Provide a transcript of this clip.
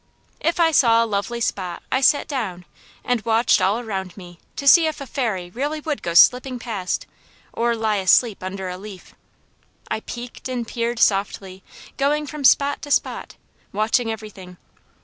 If I saw a lovely spot I sat down and watched all around me to see if a Fairy really would go slipping past, or lie asleep under a leaf. I peeked and peered softly, going from spot to spot, watching everything.